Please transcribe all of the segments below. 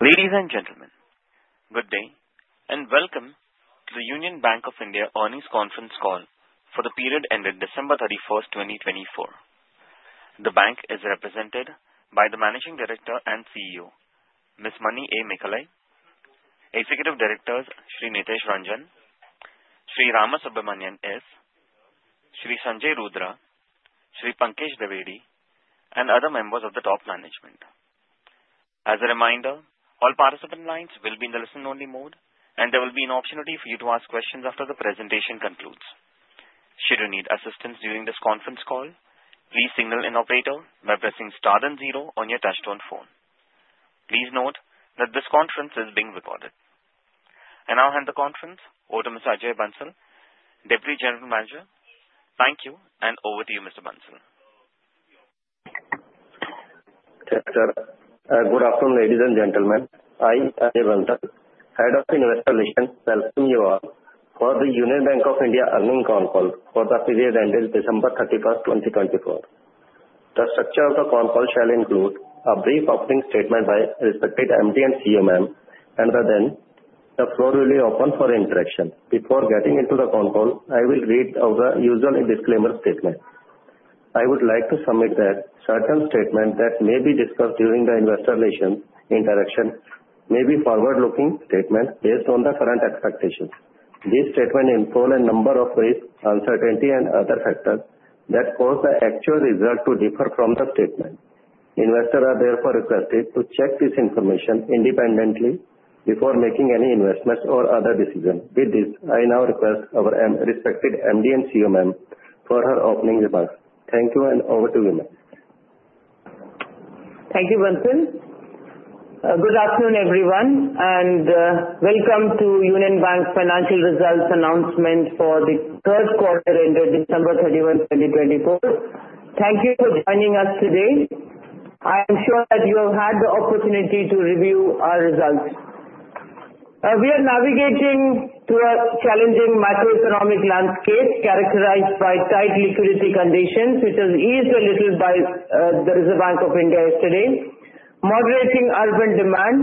Ladies and gentlemen, good day and welcome to the Union Bank of India Earnings Conference call for the period ended December 31st, 2024. The bank is represented by the Managing Director and CEO, Ms. A. Manimekhalai, Executive Directors, Sri Nitesh Ranjan, Sri Ramasubramanian S., Sri Sanjay Rudra, Sri Pankaj Dwivedi, and other members of the top management. As a reminder, all participant lines will be in the listen-only mode, and there will be an opportunity for you to ask questions after the presentation concludes. Should you need assistance during this conference call, please signal an operator by pressing star then zero on your touch-tone phone. Please note that this conference is being recorded. And I'll hand the conference over to Mr. Ajay Bansal, Deputy General Manager. Thank you, and over to you, Mr. Bansal. Good afternoon, ladies and gentlemen. I, Ajay Bansal, Head of Investor Relations, welcome you all for the Union Bank of India Earnings Conference for the period ended December 31st, 2024. The structure of the conference shall include a brief opening statement by respected MD and CEO, ma'am, and then the floor will be open for interaction. Before getting into the conference, I will read our usual disclaimer statement. I would like to submit that certain statements that may be discussed during the Investor Relations interaction may be forward-looking statements based on the current expectations. These statements involve a number of risks, uncertainty, and other factors that cause the actual result to differ from the statement. Investors are therefore requested to check this information independently before making any investments or other decisions. With this, I now request our respected MD and CEO, ma'am, for her opening remarks. Thank you, and over to you, ma'am. Thank you, Bansal. Good afternoon, everyone, and welcome to Union Bank's financial results announcement for the third quarter ended December 31st, 2024. Thank you for joining us today. I am sure that you have had the opportunity to review our results. We are navigating to a challenging macroeconomic landscape characterized by tight liquidity conditions, which is eased a little by the Reserve Bank of India yesterday, moderating urban demand,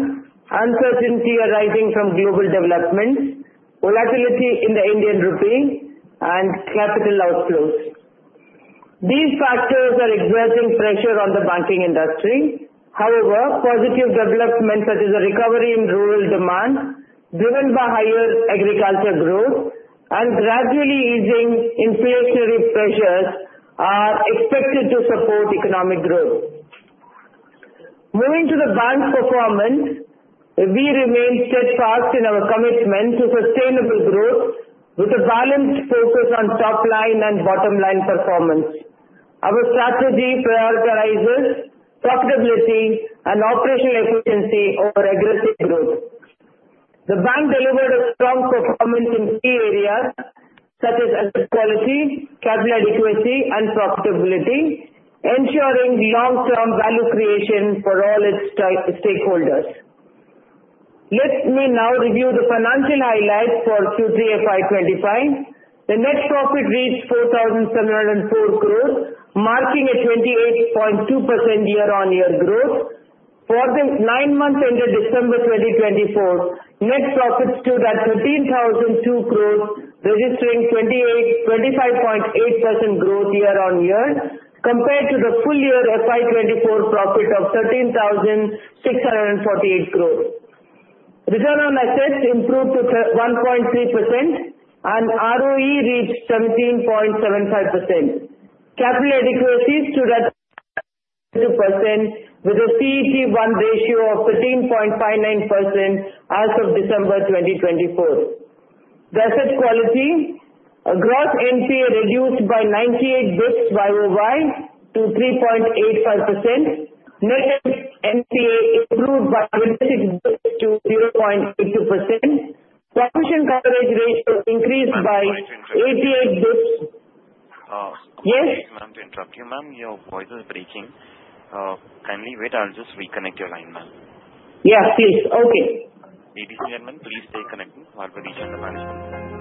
uncertainty arising from global developments, volatility in the Indian rupee, and capital outflows. These factors are exerting pressure on the banking industry. However, positive developments such as a recovery in rural demand, driven by higher agriculture growth, and gradually easing inflationary pressures are expected to support economic growth. Moving to the bank's performance, we remain steadfast in our commitment to sustainable growth with a balanced focus on top-line and bottom-line performance. Our strategy prioritizes profitability and operational efficiency over aggressive growth. The bank delivered a strong performance in key areas such as asset quality, capital adequacy, and profitability, ensuring long-term value creation for all its stakeholders. Let me now review the financial highlights for Q3FY25. The net profit reached 4,704 crore rupees, marking a 28.2% year-on-year growth. For the nine months ended December 2024, net profit stood at 13,002 crore, registering 25.8% growth year-on-year compared to the full-year FY24 profit of 13,648 crore. Return on assets improved to 1.3%, and ROE reached 17.75%. Capital adequacy stood at 22% with a CET1 ratio of 13.59% as of December 2024. The asset quality. Gross NPA reduced by 98 basis points YoY to 3.85%. Net NPA improved by 26 basis points to 0.82%. Provision coverage ratio increased by 88 basis points. Yes? Ma'am, to interrupt you, ma'am, your voice is breaking. Kindly wait, I'll just reconnect your line, ma'am. Yeah, please. Okay. Ladies and gentlemen, please stay connected while we reconnect with management.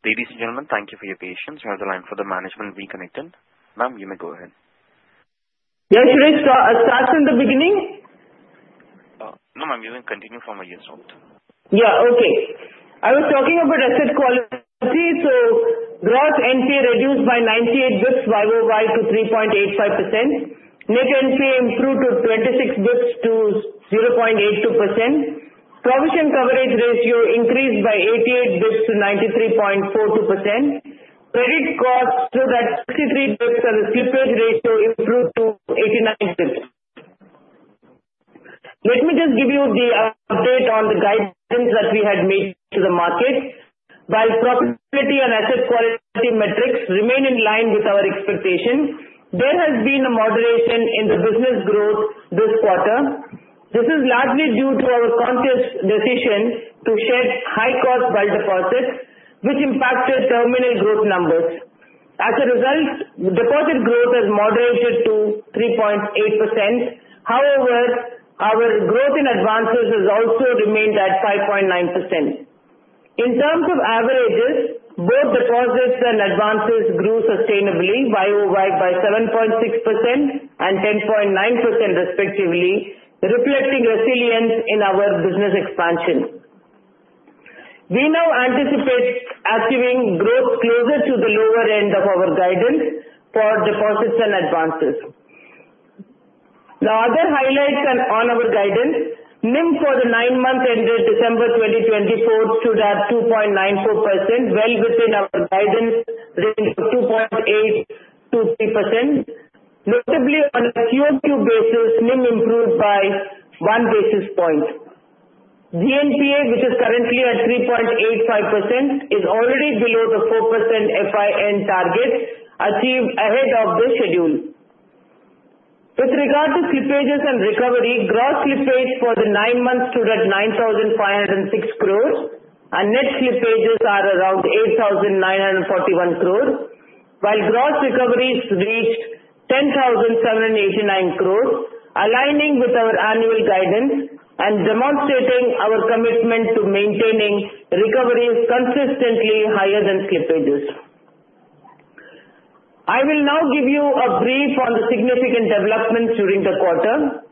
Ladies and gentlemen, thank you for your patience. You now have the line. The management has reconnected. Ma'am, you may go ahead. Yeah, should I start from the beginning? No, ma'am, you can continue from where you stopped. Yeah, okay. I was talking about asset quality, so gross NPA reduced by 98 basis points YoY to 3.85%. Net NPA improved by 26 basis points to 0.82%. Provision coverage ratio increased by 88 basis points to 93.42%. Credit cost stood at 63 basis points, and the slippage ratio improved to 89 basis points. Let me just give you the update on the guidance that we had made to the market. While profitability and asset quality metrics remain in line with our expectations, there has been a moderation in the business growth this quarter. This is largely due to our conscious decision to shed high-cost wholesale deposits, which impacted terminal growth numbers. As a result, deposit growth has moderated to 3.8%. However, our growth in advances has also remained at 5.9%. In terms of averages, both deposits and advances grew sustainably YoY by 7.6% and 10.9%, respectively, reflecting resilience in our business expansion. We now anticipate achieving growth closer to the lower end of our guidance for deposits and advances. Now, other highlights on our guidance: NIM for the nine months ended December 2024 stood at 2.94%, well within our guidance range of 2.823%. Notably, on a QOQ basis, NIM improved by one basis point. GNPA, which is currently at 3.85%, is already below the 4% FY target achieved ahead of the schedule. With regard to slippages and recovery, gross slippage for the nine months stood at 9,506 crore rupees, and net slippages are around 8,941 crore rupees, while gross recoveries reached 10,789 crore rupees, aligning with our annual guidance and demonstrating our commitment to maintaining recoveries consistently higher than slippages. I will now give you a brief on the significant developments during the quarter.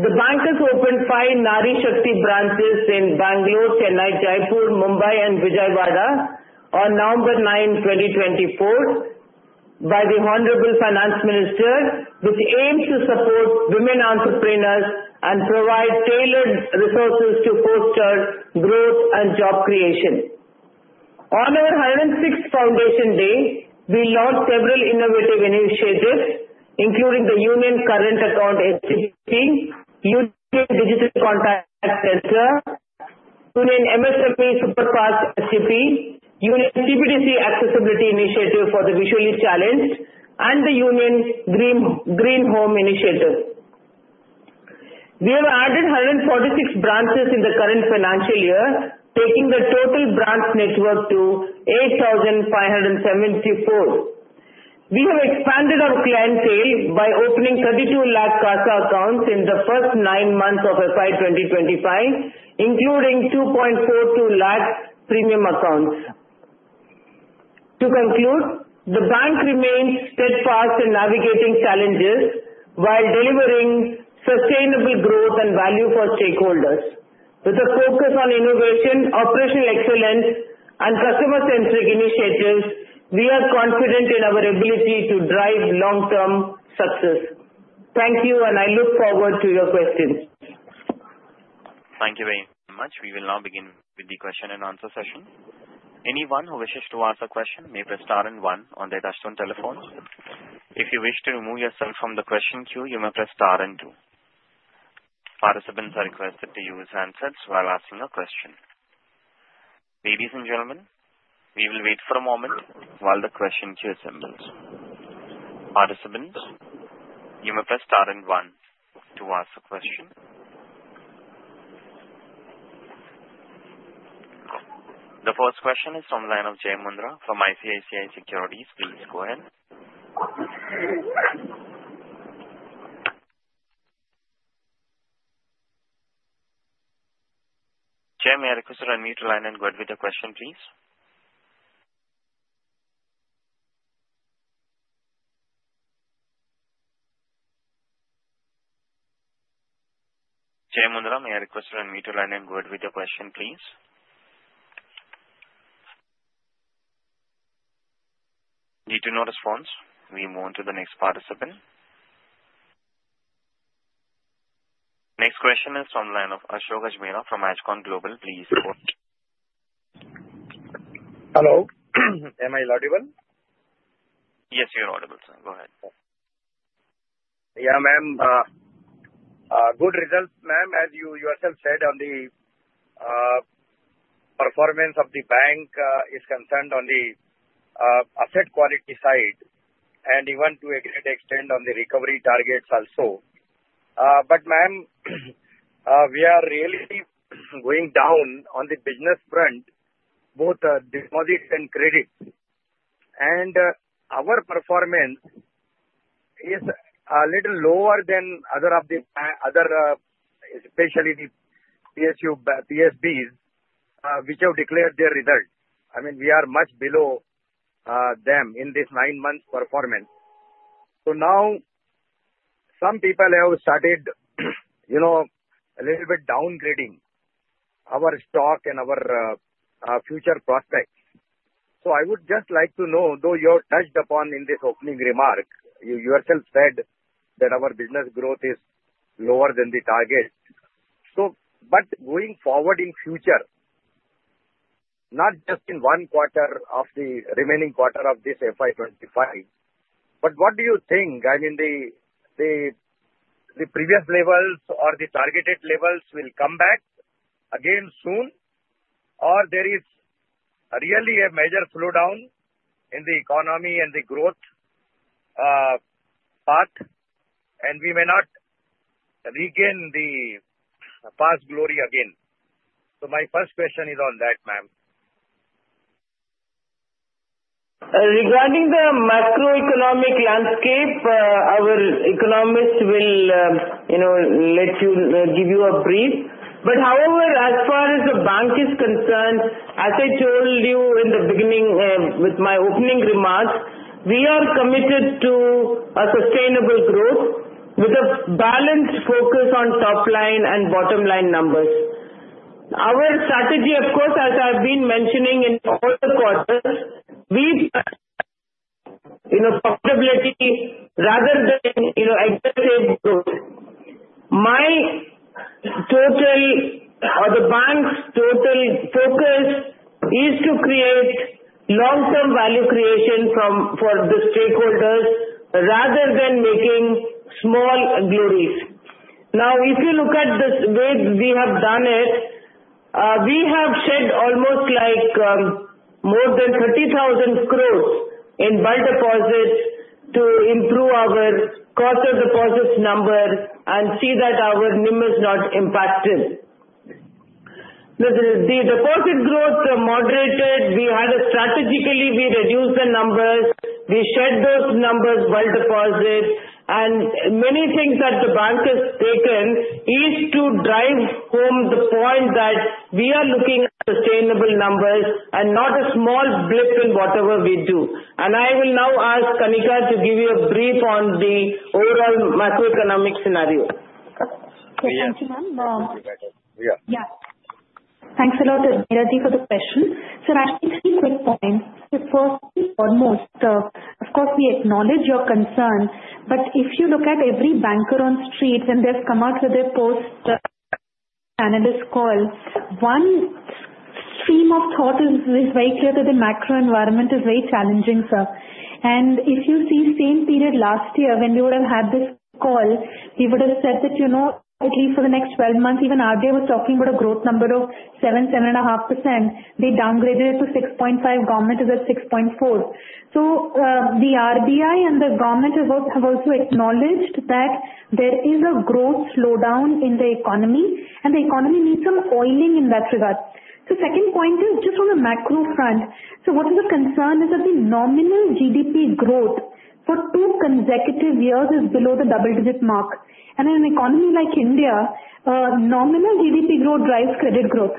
The bank has opened five Nari Shakti branches in Bangalore, Chennai, Jaipur, Mumbai, and Vijayawada on November 9, 2024, by the Honorable Finance Minister, which aims to support women entrepreneurs and provide tailored resources to foster growth and job creation. On our 106th Foundation Day, we launched several innovative initiatives, including the Union Current Account STP, Union Digital Contact Center, Union MSME Superfast STP, Union CBDC Accessibility Initiative for the visually challenged, and the Union Green Home Initiative. We have added 146 branches in the current financial year, taking the total branch network to 8,574. We have expanded our clientele by opening 32 lakh CASA accounts in the first nine months of FY 2025, including 2.42 lakh premium accounts. To conclude, the bank remains steadfast in navigating challenges while delivering sustainable growth and value for stakeholders. With a focus on innovation, operational excellence, and customer-centric initiatives, we are confident in our ability to drive long-term success. Thank you, and I look forward to your questions. Thank you very much. We will now begin with the question and answer session. Anyone who wishes to ask a question may press star and one on their touch-tone telephones. If you wish to remove yourself from the question queue, you may press star and two. Participants are requested to use handsets while asking a question. Ladies and gentlemen, we will wait for a moment while the question queue assembles. Participants, you may press star and one to ask a question. The first question is from the line of Jai Mundhra from ICICI Securities. Please go ahead. Jai, may I request to unmute your line and go ahead with your question, please? Jai Mundhra, may I request to unmute your line and go ahead with your question, please? Did you not respond? We move on to the next participant. Next question is from the line of Ashok Ajmera from Ajcon Global. Please go ahead. Hello. Am I audible? Yes, you're audible, sir. Go ahead. Yeah, ma'am. Good results, ma'am, as you yourself said. On the performance of the bank is concerned on the asset quality side, and even to a great extent on the recovery targets also. But, ma'am, we are really going down on the business front, both deposits and credits. And our performance is a little lower than other of the other, especially the PSU PSBs, which have declared their results. I mean, we are much below them in this nine months' performance. So now, some people have started a little bit downgrading our stock and our future prospects. So I would just like to know, though you touched upon in this opening remark, you yourself said that our business growth is lower than the target. But going forward in future, not just in one quarter of the remaining quarter of this FY25, but what do you think? I mean, the previous levels or the targeted levels will come back again soon, or there is really a major slowdown in the economy and the growth path, and we may not regain the past glory again? So my first question is on that, ma'am. Regarding the macroeconomic landscape, our economist will now give you a brief. However, as far as the bank is concerned, as I told you in the beginning with my opening remarks, we are committed to a sustainable growth with a balanced focus on top-line and bottom-line numbers. Our strategy, of course, as I've been mentioning in all the quarters, we profitability rather than excessive growth. My total or the bank's total focus is to create long-term value creation for the stakeholders rather than making small glories. Now, if you look at the way we have done it, we have shed almost like more than 30,000 crore in bulk deposits to improve our cost of deposits number and see that our NIM is not impacted. The deposit growth moderated. We had strategically reduced the numbers. We shed those numbers, bulk deposit. Many things that the bank has taken is to drive home the point that we are looking at sustainable numbers and not a small blip in whatever we do. I will now ask Kanika to give you a brief on the overall macroeconomic scenario. Thank you, sir. Yeah. Thanks a lot, Ajmera, for the question. Sir, I have three quick points. First and foremost, of course, we acknowledge your concern, but if you look at every banker on the street when they've come out with their post-earnings call, one stream of thought is very clear that the macro environment is very challenging, sir, and if you see the same period last year when we would have had this call, we would have said that at least for the next 12 months, even RBI was talking about a growth number of 7-7.5%. They downgraded it to 6.5%. Government is at 6.4%. So the RBI and the government have also acknowledged that there is a growth slowdown in the economy, and the economy needs some oiling in that regard. So second point is just on the macro front. So what is the concern is that the nominal GDP growth for two consecutive years is below the double-digit mark, and in an economy like India, nominal GDP growth drives credit growth.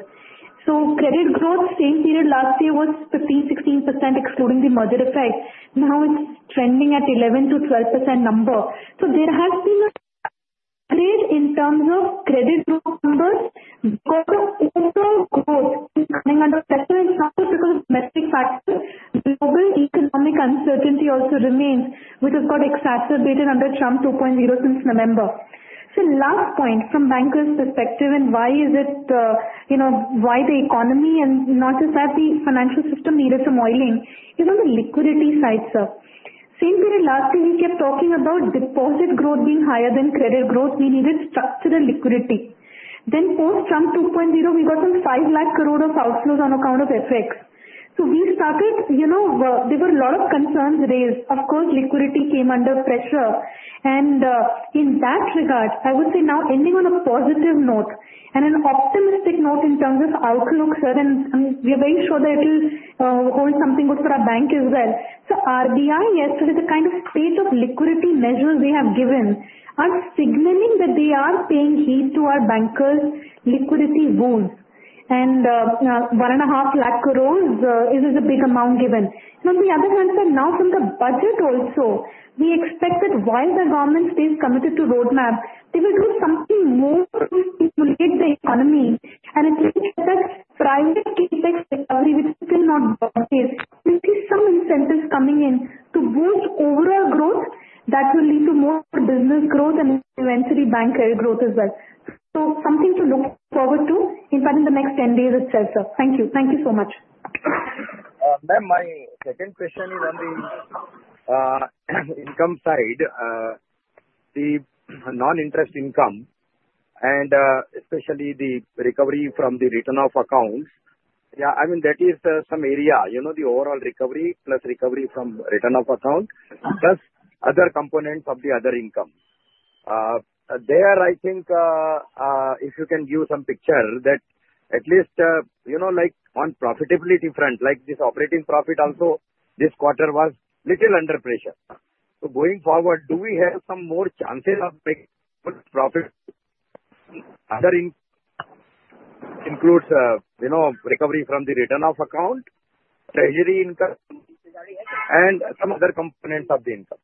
So credit growth, same period last year was 15%-16% excluding the merger effect. Now it's trending at 11%-12% number. So there has been an upgrade in terms of credit growth numbers because of overall growth coming under pressure. It's not just because of domestic factors. Global economic uncertainty also remains, which has got exacerbated under Trump 2.0 since November. So last point from the banker's perspective and why is it, why the economy and not just that, the financial system needed some oiling, even the liquidity side, sir. Same period last year, we kept talking about deposit growth being higher than credit growth. We needed structure and liquidity. Then, post-Trump 2.0, we got some five lakh crore of outflows on account of FX. So, we started. There were a lot of concerns raised. Of course, liquidity came under pressure. And in that regard, I would say, now ending on a positive note and an optimistic note in terms of outlook, sir, and we are very sure that it will hold something good for our bank as well. So, RBI, yesterday, the kind of suite of liquidity measures they have given are signaling that they are paying heed to our bankers' liquidity wounds. And 1.5 lakh crores is a big amount given. On the other hand, sir, now from the budget also, we expect that while the government stays committed to the roadmap, they will do something more to stimulate the economy. And it looks like that private CapEx recovery, which is still not base case, will see some incentives coming in to boost overall growth that will lead to more business growth and eventually bank growth as well. So something to look forward to in the next 10 days itself, sir. Thank you. Thank you so much. Ma'am, my second question is on the income side, the non-interest income, and especially the recovery from the written-off accounts. Yeah, I mean, that is some area, the overall recovery plus recovery from written-off accounts plus other components of the other income. There, I think if you can give some picture that at least on profitability front, like this operating profit also, this quarter was a little under pressure. So going forward, do we have some more chances of making profit? Other income includes recovery from the written-off account, treasury income, and some other components of the income.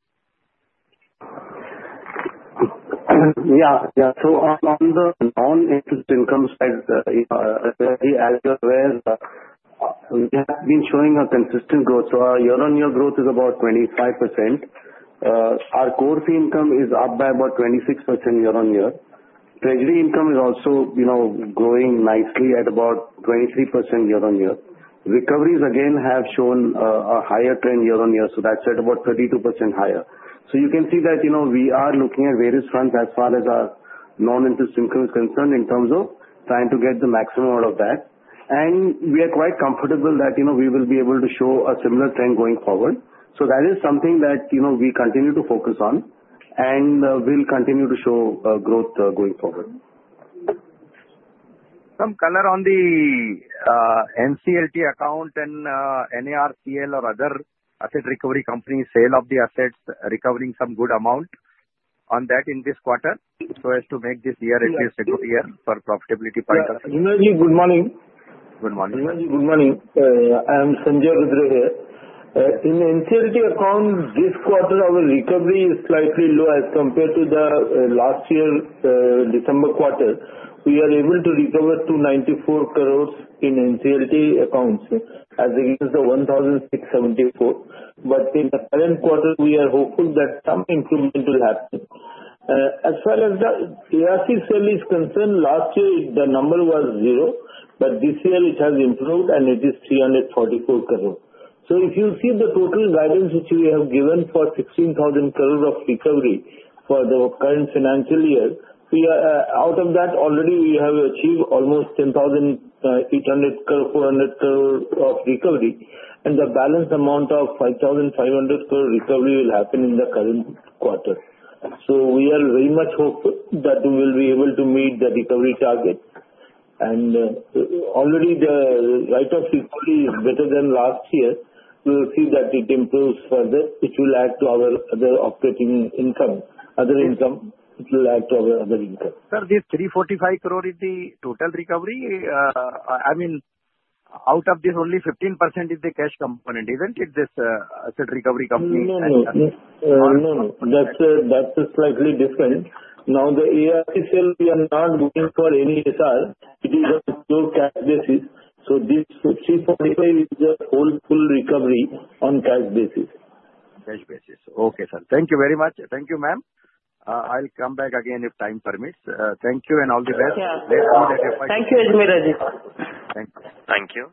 Yeah. Yeah. So on the non-interest income side, as you're aware, we have been showing a consistent growth. So our year-on-year growth is about 25%. Our corporate income is up by about 26% year-on-year. Treasury income is also growing nicely at about 23% year-on-year. Recoveries, again, have shown a higher trend year-on-year. So that's at about 32% higher. So you can see that we are looking at various fronts as far as our non-interest income is concerned in terms of trying to get the maximum out of that. And we are quite comfortable that we will be able to show a similar trend going forward. So that is something that we continue to focus on and will continue to show growth going forward. Some color on the NCLT account and NARCL or other asset recovery companies, sale of the assets, recovering some good amount on that in this quarter so as to make this year at least a good year for profitability point of view. Ajmera ji, good morning. Good morning. Anjali, good morning. I am Sanjay Rudra here. In NCLT accounts, this quarter, our recovery is slightly low as compared to the last year, December quarter. We are able to recover 94 crores in NCLT accounts as against the 1,674, but in the current quarter, we are hopeful that some improvement will happen. As far as the ARC sale is concerned, last year, the number was zero, but this year, it has improved, and it is 344 crores, so if you see the total guidance which we have given for 16,000 crores of recovery for the current financial year, out of that, already, we have achieved almost 10,800 crores, 400 crores of recovery, and the balance amount of 5,500 crores recovery will happen in the current quarter, so we are very much hopeful that we will be able to meet the recovery target. Already, the rate of recovery is better than last year. We will see that it improves further. It will add to our other operating income. Other income, it will add to our other income. Sir, this INR 345 crores is the total recovery? I mean, out of this, only 15% is the cash component, isn't it, this asset recovery company? No, no, no. That's slightly different. Now, the ARC sale, we are not going for any haircut. It is a pure cash basis. So this 345 is a whole full recovery on cash basis. Cash basis. Okay, sir. Thank you very much. Thank you, ma'am. I'll come back again if time permits. Thank you and all the best. Thank you. Thank you, Ajmera, Ji. Thank you. Thank you.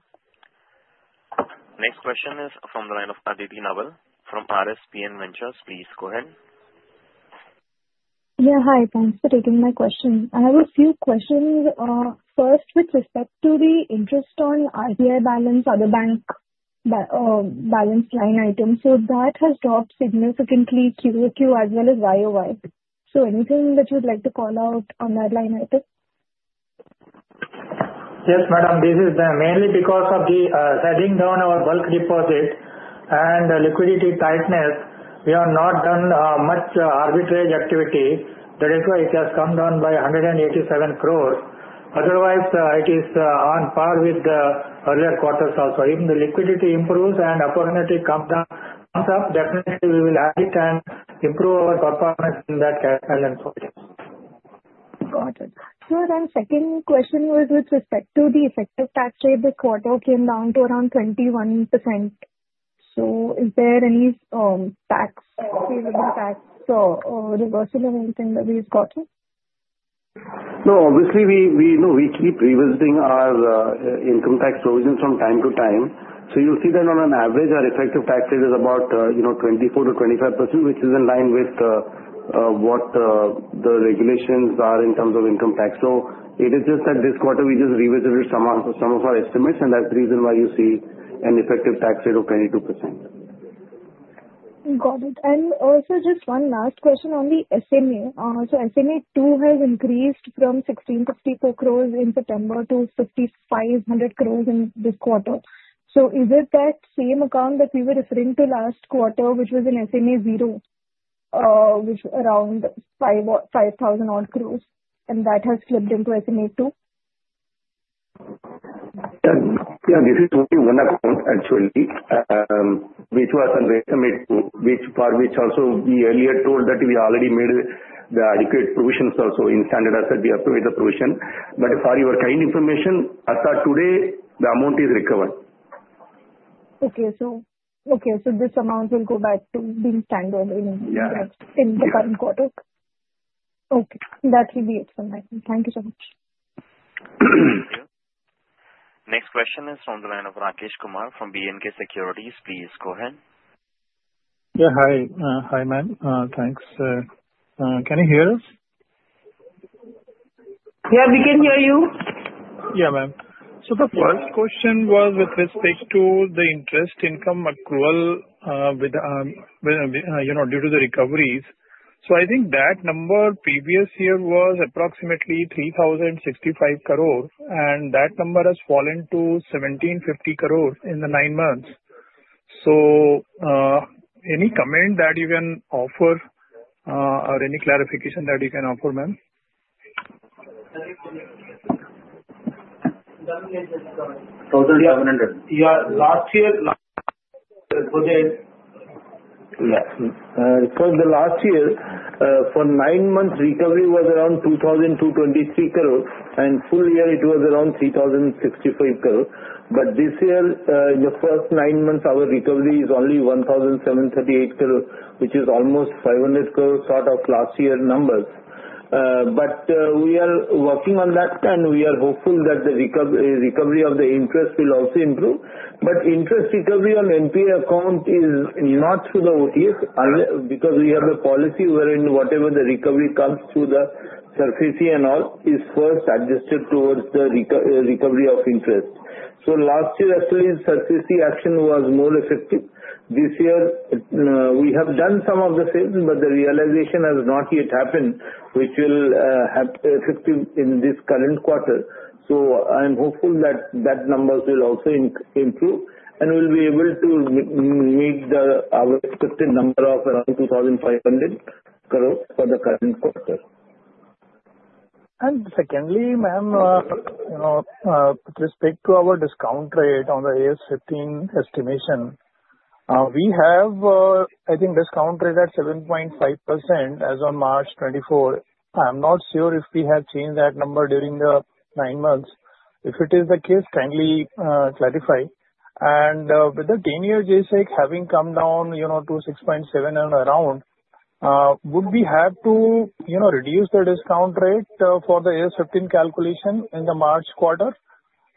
Next question is from the line of Aditi Naval from RSPN Ventures. Please go ahead. Yeah. Hi. Thanks for taking my question. I have a few questions. First, with respect to the interest on RBI balance, other bank balance line items, so that has dropped significantly Q2 as well as YOY. So anything that you'd like to call out on that line item? Yes, madam. This is mainly because of the drawing down our bulk deposit and liquidity tightness. We are not done much arbitrage activity. That is why it has come down by 187 crores. Otherwise, it is on par with the earlier quarters also. If the liquidity improves and opportunity comes up, definitely, we will add it and improve our performance in that cash balance. Got it. Sir, then second question was with respect to the effective tax rate. This quarter came down to around 21%. So is there any tax reversal or anything that we've gotten? No, obviously, we keep revisiting our income tax provisions from time to time. So you'll see that on an average, our effective tax rate is about 24%-25%, which is in line with what the regulations are in terms of income tax. So it is just that this quarter, we just revisited some of our estimates, and that's the reason why you see an effective tax rate of 22%. Got it. And also, just one last question on the SMA. So SMA 2 has increased from 1,654 crores in September to 5,500 crores in this quarter. So is it that same account that we were referring to last quarter, which was an SMA 0, which was around 5,000-odd crores, and that has flipped into SMA 2? Yeah. This is only one account, actually, which was on SMA 2, for which also we earlier told that we already made the adequate provisions also in standard asset. We have to make the provision, but for your kind information, as of today, the amount is recovered. Okay. So this amount will go back to being standard in the current quarter? Yeah. Okay. That will be it from my side. Thank you so much. Thank you. Next question is from the line of Rakesh Kumar from B&K Securities. Please go ahead. Yeah. Hi. Hi, ma'am. Thanks. Can you hear us? Yeah, we can hear you. Yeah, ma'am. So the first question was with respect to the interest income accrual due to the recoveries. So I think that number previous year was approximately 3,065 crores, and that number has fallen to 1,750 crores in the nine months. So any comment that you can offer or any clarification that you can offer, ma'am? Total 700. Last year, for nine months, recovery was around 2,223 crores, and full year, it was around 3,065 crores. But this year, in the first nine months, our recovery is only 1,738 crores, which is almost 500 crores short of last year's numbers. But we are working on that, and we are hopeful that the recovery of the interest will also improve. But interest recovery on NPA account is not through the OTS because we have a policy wherein whatever the recovery comes through the SARFAESI and all is first adjusted towards the recovery of interest. So last year, actually, SARFAESI action was more effective. This year, we have done some of the sales, but the realization has not yet happened, which will have effective in this current quarter. So I'm hopeful that that number will also improve and we'll be able to meet our expected number of around 2,500 crores for the current quarter. Secondly, ma'am, with respect to our discount rate on the AS15 estimation, we have, I think, discount rate at 7.5% as of March 2024. I'm not sure if we have changed that number during the nine months. If it is the case, kindly clarify. And with the 10-year G-Sec having come down to 6.7% and around, would we have to reduce the discount rate for the AS15 calculation in the March quarter?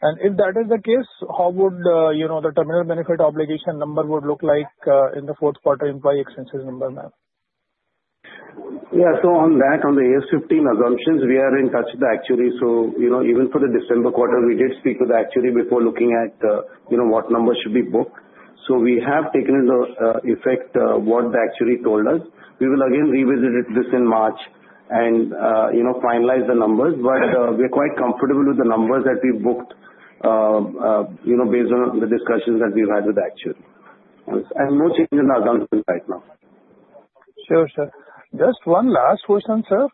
And if that is the case, how would the defined benefit obligation number look like in the fourth quarter employee expenses number, ma'am? Yeah. So on that, on the AS15 assumptions, we are in touch with the actuary. So even for the December quarter, we did speak with the actuary before looking at what numbers should be booked. So we have taken into effect what the actuary told us. We will again revisit this in March and finalize the numbers. But we are quite comfortable with the numbers that we booked based on the discussions that we've had with the actuary. And no change in the assumptions right now. Sure, sir. Just one last question, sir.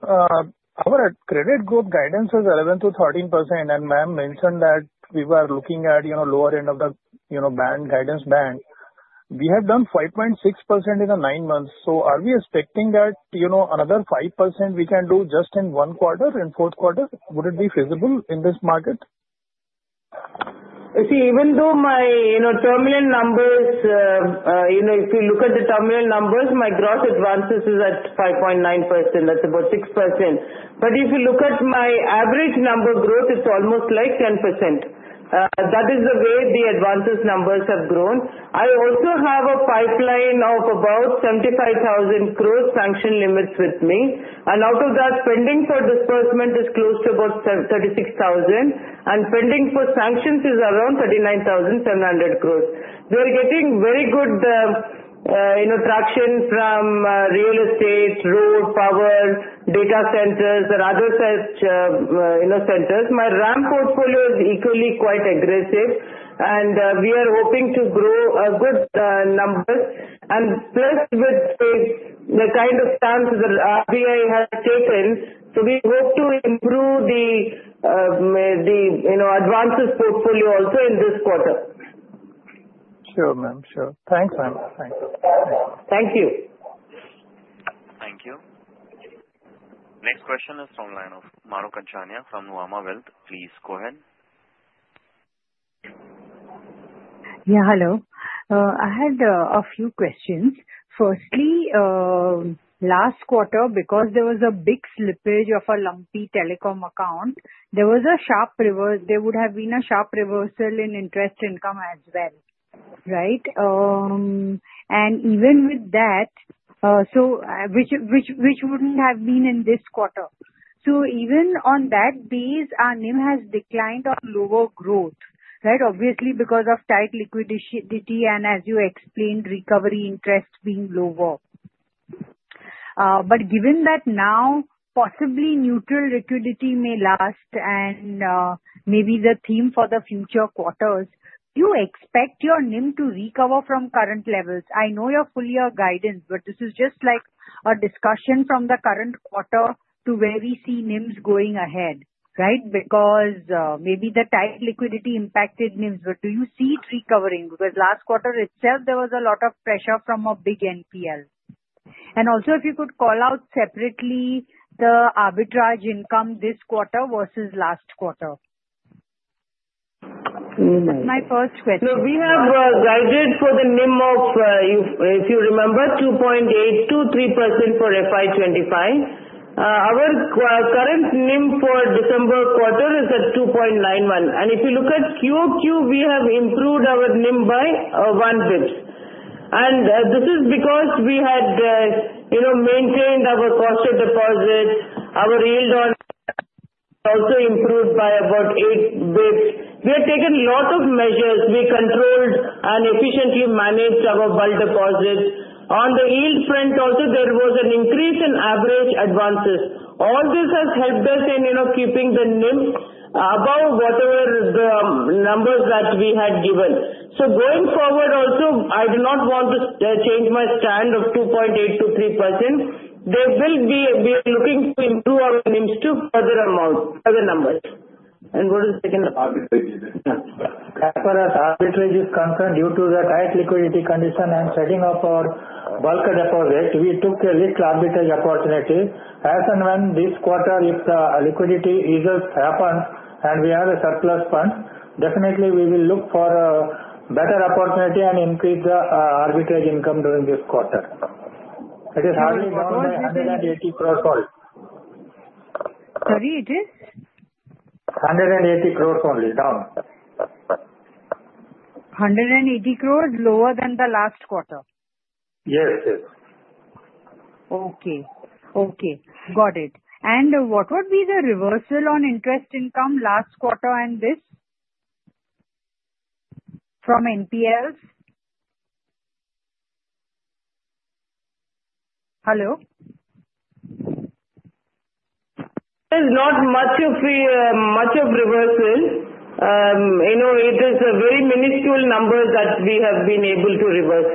Our credit group guidance is 11%-13%, and ma'am mentioned that we were looking at lower end of the guidance band. We have done 5.6% in the nine months. So are we expecting that another 5% we can do just in one quarter, in fourth quarter? Would it be feasible in this market? See, even though my terminal numbers, if you look at the terminal numbers, my gross advances is at 5.9%. That's about 6%. But if you look at my average number growth, it's almost like 10%. That is the way the advances numbers have grown. I also have a pipeline of about 75,000 crores sanction limits with me. And out of that, pending for disbursement is close to about 36,000, and pending for sanctions is around 39,700 crores. We are getting very good traction from real estate, road, power, data centers, and other such sectors. My RAM portfolio is equally quite aggressive, and we are hoping to grow a good number. And plus with the kind of stance that RBI has taken, so we hope to improve the advances portfolio also in this quarter. Sure, ma'am. Sure. Thanks, ma'am. Thanks. Thank you. Thank you. Next question is from the line of Mahrukh Adajania from Nuvama Wealth. Please go ahead. Yeah. Hello. I had a few questions. Firstly, last quarter, because there was a big slippage of a lumpy telecom account, there was a sharp reversal. There would have been a sharp reversal in interest income as well, right? And even with that, so which wouldn't have been in this quarter. So even on that base, NIM has declined on lower growth, right? Obviously, because of tight liquidity and, as you explained, recovery interest being lower. But given that now, possibly neutral liquidity may last, and maybe the theme for the future quarters, do you expect your NIM to recover from current levels? I know you're following our guidance, but this is just like a discussion from the current quarter to where we see NIMs going ahead, right? Because maybe the tight liquidity impacted NIMs, but do you see it recovering? Because last quarter itself, there was a lot of pressure from a big NPL, and also, if you could call out separately the arbitrage income this quarter versus last quarter. Okay. My first question. So we have guided for the NIM of, if you remember, 2.823% for FY25. Our current NIM for December quarter is at 2.91%. And if you look at QOQ, we have improved our NIM by one bit. And this is because we had maintained our cost of deposit. Our yield on also improved by about eight bits. We had taken a lot of measures. We controlled and efficiently managed our bulk deposits. On the yield front, also, there was an increase in average advances. All this has helped us in keeping the NIM above whatever the numbers that we had given. So going forward, also, I do not want to change my stand of 2.823%. We are looking to improve our NIMs to further amount, further numbers. And what is the second? As far as arbitrage is concerned, due to the tight liquidity condition and setting up our bulk deposit, we took a risk arbitrage opportunity. As and when this quarter, if the liquidity issues happen and we have a surplus fund, definitely, we will look for a better opportunity and increase the arbitrage income during this quarter. It is hardly down to 180 crores only. Sorry, it is? 180 crores only down. 180 crores lower than the last quarter? Yes, yes. Okay. Okay. Got it. And what would be the reversal on interest income last quarter and this from NPLs? Hello? There's not much of reversal. It is a very minuscule number that we have been able to reverse.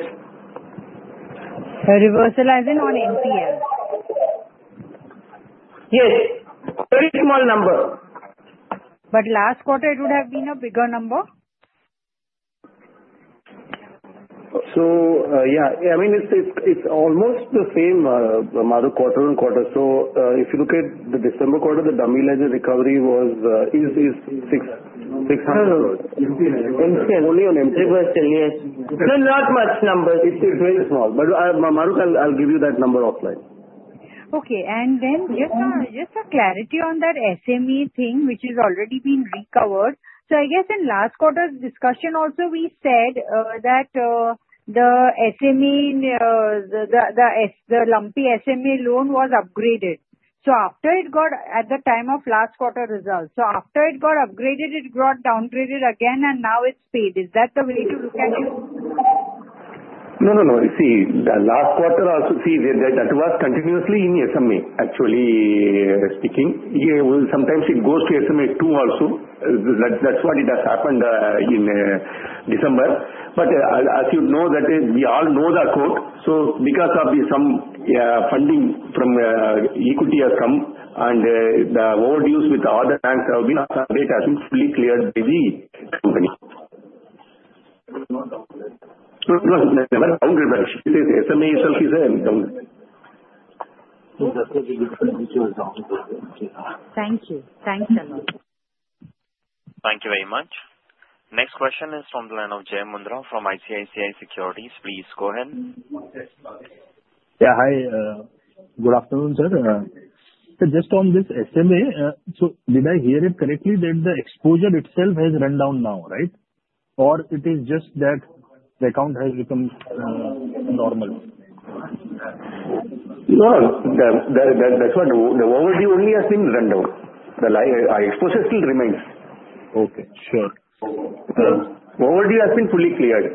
Reversing on NPL? Yes. Very small number. But last quarter, it would have been a bigger number? So yeah. I mean, it's almost the same, Mahrukh, quarter on quarter. So if you look at the December quarter, the dummy ledger recovery is 600 crores. Only on NPL? Reversal, yes. Not much numbers. It's very small. But Mahrukh, I'll give you that number offline. Okay. And then just a clarity on that SMA thing, which has already been recovered. So I guess in last quarter's discussion, also, we said that the lumpy SMA loan was upgraded. So after it got at the time of last quarter results, so after it got upgraded, it got downgraded again, and now it's paid. Is that the way to look at it? No, no, no. See, last quarter, also, see, that was continuously in SMA, actually speaking. Sometimes, it goes to SMA 2 also. That's what has happened in December. But as you know, we all know the account. So because of some funding from equity has come, and the overdues with other banks have been updated, has been fully cleared by the company. So it was never downgraded. SMA itself is downgraded. Thank you. Thanks a lot. Thank you very much. Next question is from the line of Jai Mundhra from ICICI Securities. Please go ahead. Yeah. Hi. Good afternoon, sir. So just on this SMA, so did I hear it correctly that the exposure itself has run down now, right? Or it is just that the account has become normal? No, that's what the overdue only has been run down. The exposure still remains. Okay. Sure. Overdue has been fully cleared.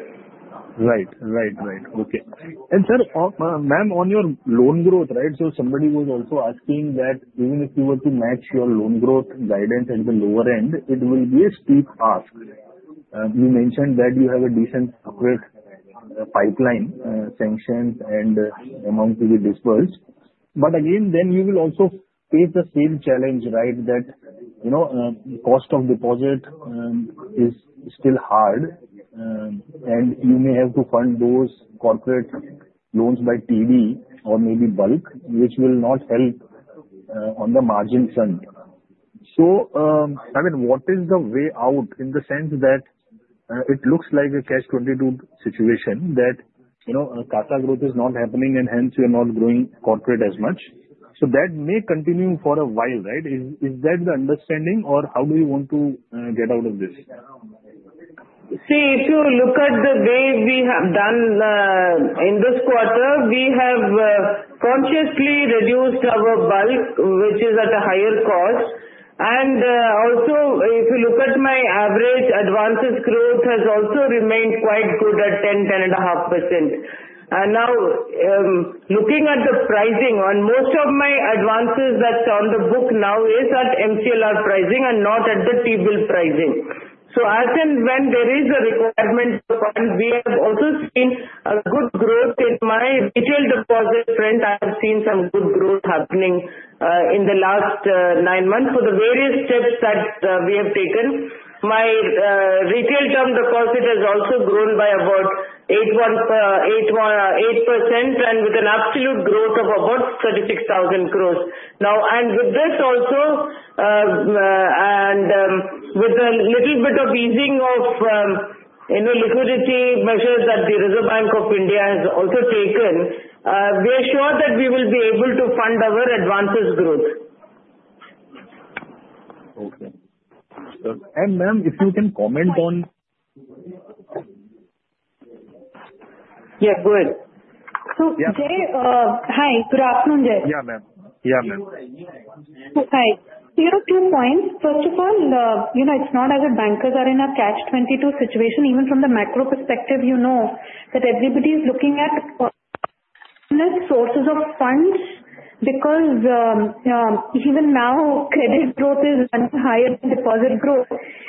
Right, right, right. Okay. And sir, ma'am, on your loan growth, right, so somebody was also asking that even if you were to match your loan growth guidance at the lower end, it will be a steep ask. You mentioned that you have a decent corporate pipeline sanctions and amount to be disbursed. But again, then you will also face the same challenge, right, that cost of deposit is still hard, and you may have to fund those corporate loans by TD or maybe bulk, which will not help on the margin fund. So I mean, what is the way out in the sense that it looks like a Catch-22 situation that CASA growth is not happening, and hence, you're not growing corporate as much? So that may continue for a while, right? Is that the understanding, or how do you want to get out of this? See, if you look at the way we have done in this quarter, we have consciously reduced our bulk, which is at a higher cost, and also, if you look at my average advances growth, has also remained quite good at 10, 10 and a half %. And now, looking at the pricing, on most of my advances that are on the book now is at MCLR pricing and not at the T-Bill pricing, so as and when there is a requirement to fund, we have also seen a good growth in my retail deposit front. I have seen some good growth happening in the last nine months for the various steps that we have taken. My retail term deposit has also grown by about 8% and with an absolute growth of about 36,000 crores. Now, and with this also, and with a little bit of easing of liquidity measures that the Reserve Bank of India has also taken, we are sure that we will be able to fund our advances growth. Okay. And ma'am, if you can comment on. Yeah, go ahead. So, Jai, hi. Good afternoon, Jai. Yeah, ma'am. Yeah, ma'am. So, hi. Here are two points. First of all, it's not as if bankers are in a Catch-22 situation. Even from the macro perspective, you know that everybody is looking at sources of funds because even now, credit growth is running higher than deposit growth.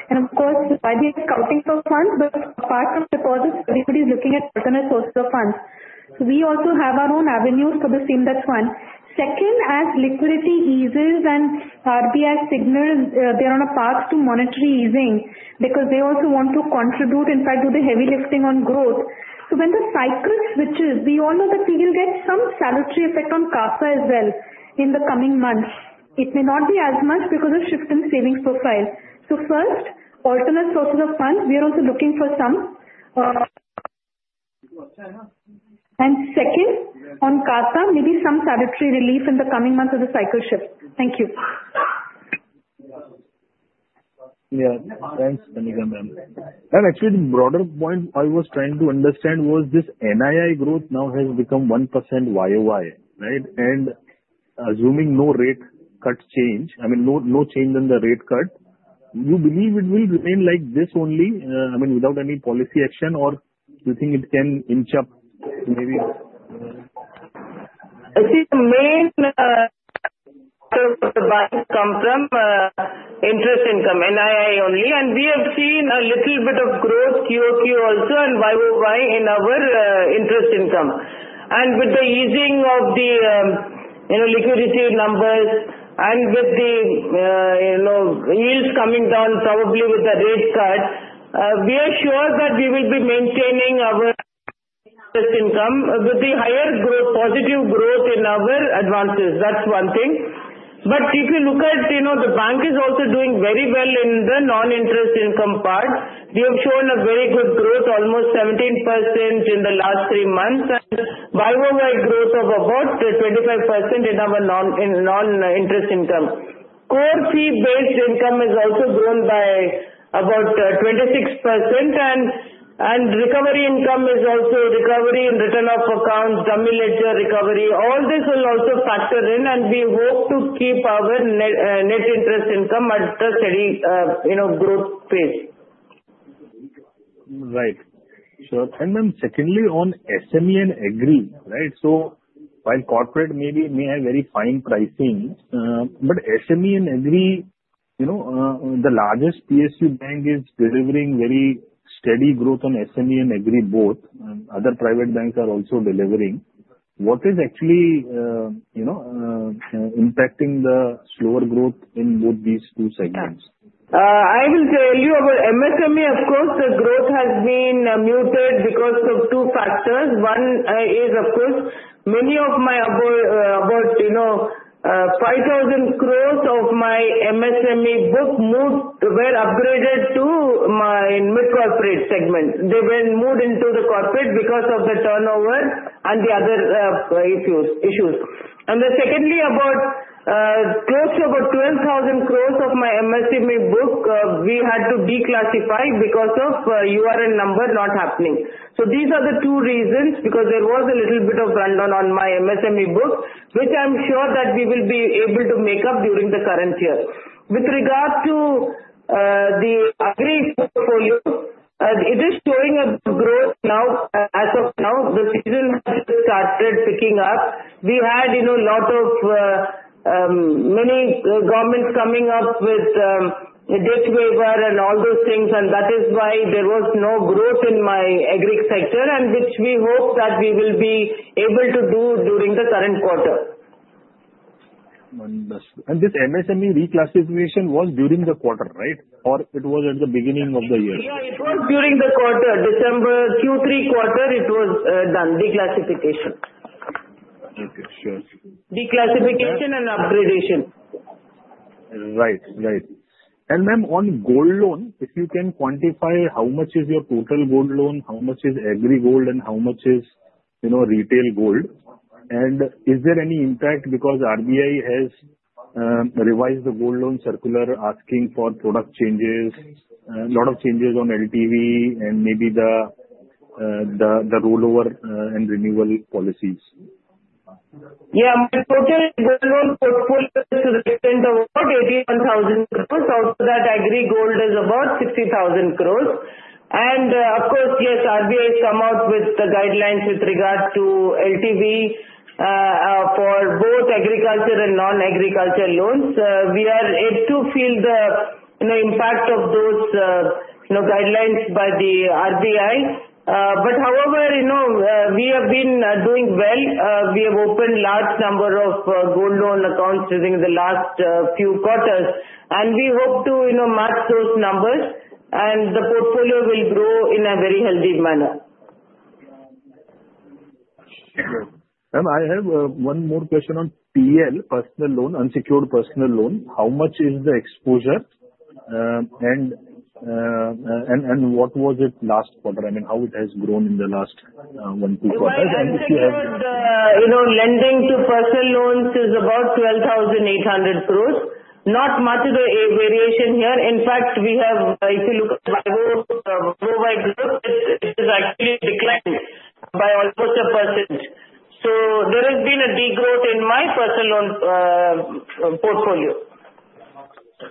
And of course, why they are scouting for funds? But apart from deposits, everybody is looking at alternative sources of funds. So we also have our own avenues for the same that fund. Second, as liquidity eases and RBI signals, they are on a path to monetary easing because they also want to contribute, in fact, do the heavy lifting on growth. So when the cycle switches, we all know that we will get some salutary effect on CASA as well in the coming months. It may not be as much because of shift in savings profile. So first, alternative sources of funds. We are also looking for some. And second, on CASA, maybe some salutary relief in the coming months as the cycle shifts. Thank you. Yeah. Thanks, Kanika, ma'am. And actually, the broader point I was trying to understand was this NII growth now has become 1% YOY, right? And assuming no rate cut change, I mean, no change in the rate cut, you believe it will remain like this only, I mean, without any policy action, or do you think it can inch up maybe? I think the main source of the bank comes from interest income, NII only. And we have seen a little bit of growth, QOQ also, and YOY in our interest income. And with the easing of the liquidity numbers and with the yields coming down, probably with the rate cut, we are sure that we will be maintaining our interest income with the higher growth, positive growth in our advances. That's one thing. But if you look at the bank, it is also doing very well in the non-interest income part. We have shown a very good growth, almost 17% in the last three months, and YOY growth of about 25% in our non-interest income. Core fee-based income has also grown by about 26%, and recovery income is also recovery in written-off accounts, dummy ledger recovery. All this will also factor in, and we hope to keep our net interest income at the steady growth pace. Right. And then secondly, on SME and AGRI, right? So while corporate may have very fine pricing, but SME and AGRI, the largest PSU bank is delivering very steady growth on SME and AGRI both, and other private banks are also delivering. What is actually impacting the slower growth in both these two segments? I will tell you about MSME. Of course, the growth has been muted because of two factors. One is, of course, many of my about 5,000 crores of my MSME book moved, were upgraded to my mid-corporate segment. They were moved into the corporate because of the turnover and the other issues. And then secondly, about close to about 12,000 crores of my MSME book, we had to declassify because of URN number not happening. So these are the two reasons because there was a little bit of rundown on my MSME book, which I'm sure that we will be able to make up during the current year. With regard to the AGRI portfolio, it is showing a growth now as of now. The season has just started picking up. We had a lot of many governments coming up with debt waiver and all those things, and that is why there was no growth in my AGRI sector, which we hope that we will be able to do during the current quarter. This MSME reclassification was during the quarter, right? Or it was at the beginning of the year? Yeah, it was during the quarter. December Q3 quarter, it was done, declassification. Okay. Sure. Declassification and upgradation. Right, right. And ma'am, on gold loan, if you can quantify how much is your total gold loan, how much is AGRI gold, and how much is retail gold? And is there any impact because RBI has revised the gold loan circular asking for product changes, a lot of changes on LTV, and maybe the rollover and renewal policies? Yeah. My total gold loan portfolio is to the extent of about 81,000 crores. Out of that, AGRI gold is about 60,000 crores. And of course, yes, RBI has come out with the guidelines with regard to LTV for both agriculture and non-agriculture loans. We are able to feel the impact of those guidelines by the RBI. But however, we have been doing well. We have opened large number of gold loan accounts during the last few quarters, and we hope to match those numbers, and the portfolio will grow in a very healthy manner. Ma'am, I have one more question on PL, personal loan, unsecured personal loan. How much is the exposure, and what was it last quarter? I mean, how it has grown in the last one, two quarters? And if you have. Lending to personal loans is about 12,800 crores. Not much of a variation here. In fact, we have, if you look at my growth, it has actually declined by almost 1%. So there has been a degrowth in my personal loan portfolio.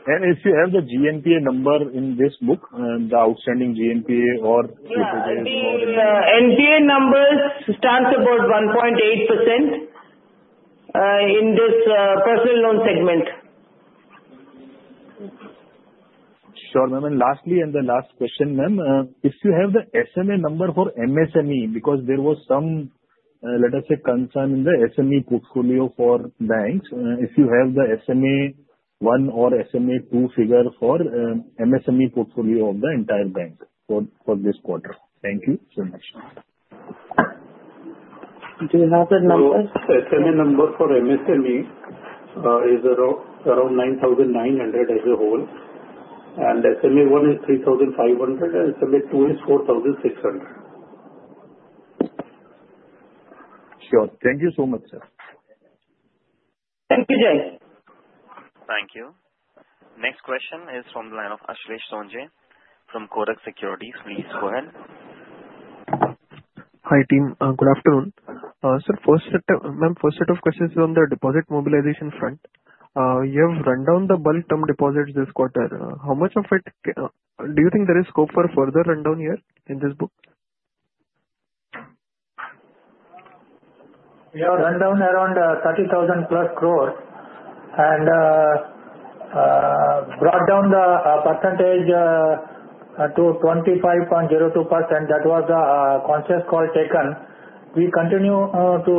And if you have the GNPA number in this book, the outstanding GNPA or. NPA numbers stand about 1.8% in this personal loan segment. Sure, ma'am. And lastly, and the last question, ma'am, if you have the SMA number for MSME, because there was some, let us say, concern in the SME portfolio for banks, if you have the SMA 1 or SMA 2 figure for MSME portfolio of the entire bank for this quarter. Thank you so much. Do you have the numbers? SMA number for MSME is around 9,900 as a whole, and SMA 1 is 3,500, and SMA 2 is 4,600. Sure. Thank you so much, sir. Thank you, Jai. Thank you. Next question is from the line of Ashlesh Sonje from Kotak Securities. Please go ahead. Hi team. Good afternoon. Ma'am, first set of questions is on the deposit mobilization front. You have run down the bulk term deposits this quarter. How much of it do you think there is scope for further rundown here in this book? We have run down around 30,000+ crores, and brought down the percentage to 25.02%. That was a conscious call taken. We continue to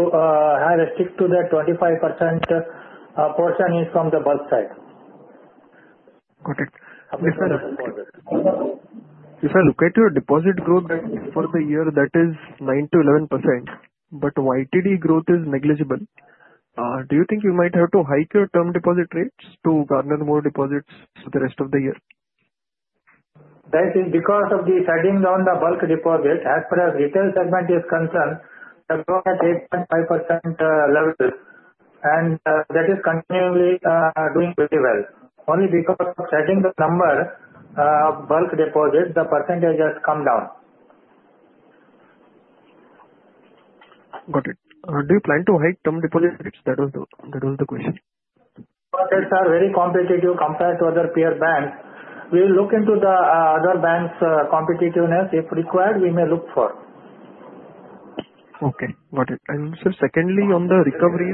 stick to the 25% portion is from the bulk side. Got it. If I look at your deposit growth for the year, that is 9%-11%, but YTD growth is negligible. Do you think you might have to hike your term deposit rates to garner more deposits for the rest of the year? That is because of the shedding on the bulk deposit. As far as retail segment is concerned, we are at 8.5% level, and that is continually doing very well. Only because of shedding the number of bulk deposits, the percentage has come down. Got it. Do you plan to hike term deposit rates? That was the question. Markets are very competitive compared to other peer banks. We will look into the other banks' competitiveness. If required, we may look for. Okay. Got it, and sir, secondly, on the recovery.